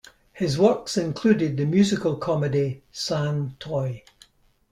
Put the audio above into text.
His works included the musical comedy San Toy.